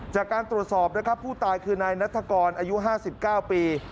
จากการตรวจสอบนะครับผู้ตายคือนายนัตรกรอายุห้าสิบเก้าปี